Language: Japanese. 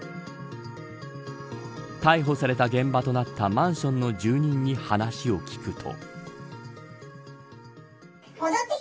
逮捕された現場となったマンションの住人に話を聞くと。